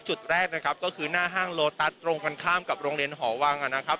จุดแรกนะครับก็คือหน้าห้างโลตัสตรงกันข้ามกับโรงเรียนหอวังนะครับ